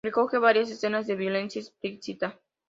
Recoge varias escenas de violencia explícita